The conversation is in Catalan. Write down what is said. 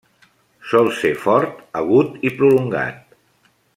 Sol ser fort, agut i prolongat.